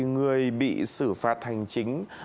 người bị xử phạt hành chính